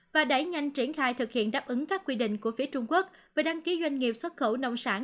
và đẩy nhanh triển khai thực hiện đáp ứng các quy định của phía trung quốc về đăng ký doanh nghiệp xuất khẩu nông sản